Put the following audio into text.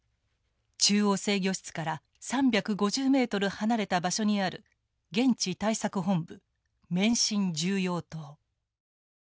中央制御室から３５０メートル離れた場所にある現地対策本部免震重要棟。